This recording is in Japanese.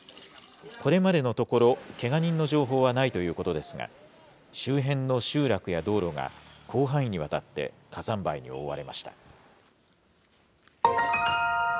これまでのところ、けが人の情報はないということですが、周辺の集落や道路が広範囲にわたって火山灰に覆われました。